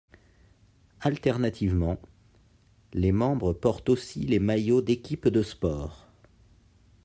Alternativement, les membres portent aussi les maillots d'équipes de sport.